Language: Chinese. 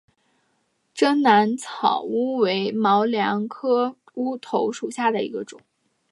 滇南草乌为毛茛科乌头属下的一个种。